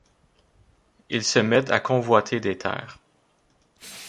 Ils se mettent à convoiter des terres.